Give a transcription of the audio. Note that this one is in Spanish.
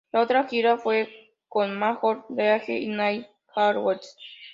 La otra gira fue con Major League y Nai Harvest.